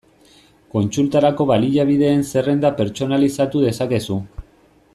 Kontsultarako baliabideen zerrenda pertsonalizatu dezakezu.